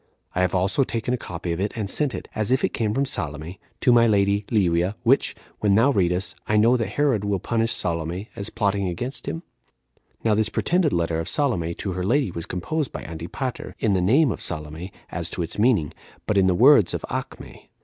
I have also taken a copy and sent it, as if it came from Salome, to my lady [Livia]; which, when thou readest, I know that Herod Will punish Salome, as plotting against him?' Now this pretended letter of Salome to her lady was composed by Antipater, in the name of Salome, as to its meaning, but in the words of Acme.